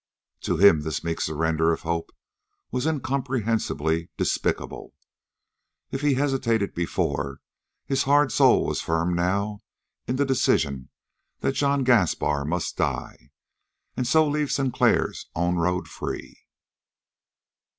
To him this meek surrender of hope was incomprehensibly despicable. If he had hesitated before, his hard soul was firm now in the decision that John Gaspar must die, and so leave Sinclair's own road free.